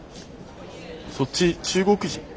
そっち中国人？